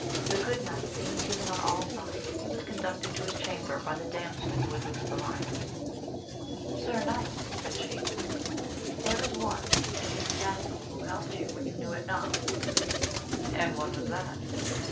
The good night being given on all sides, he was conducted to his chamber by the damsel who had loosed the lions. Sir knight, said ^\ib, Njc^st^ \^ ^\l<^\3Cl 140 AMADIS OF GAUL. this castle who helped you when you knew it not. — And when was that